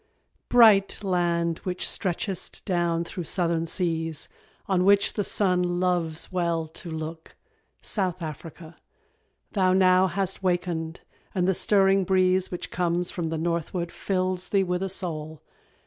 _ Bright land which stretchest down through Southern seas On which the Sun loves well to look South Africa Thou now hast wakened and the stirring breeze Which comes from the northward fills thee with a soul.